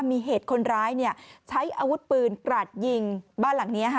มีเหตุคนร้ายใช้อาวุธปืนกราดยิงบ้านหลังนี้